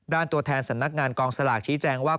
ตัวแทนสำนักงานกองสลากชี้แจงว่า